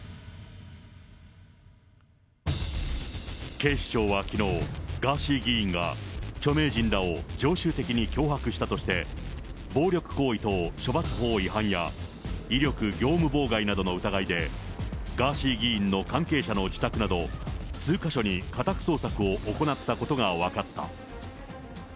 警視庁はきのう、ガーシー議員が著名人らを常習的に脅迫したとして、暴力行為等処罰法違反や、威力業務妨害などの疑いで、ガーシー議員の関係者の自宅など、数か所に家宅捜索を行ったことが分かった。